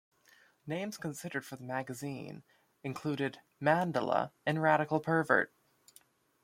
Names considered for the magazine included "Mandala" and "Radical Pervert".